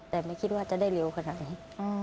แต่ไม่คิดว่าจะได้เร็วขนาดนี้